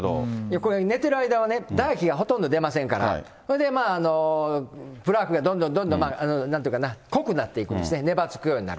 これ、寝てる間はね、唾液がほとんど出ませんから、それでプラークがどんどんどんどんなんていうかな、濃くなっていくんですね、ねばつくようになる。